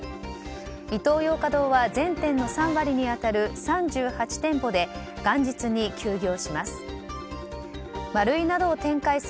イトーヨーカドーは全店の３割に当たる３８店舗で元日に休業します。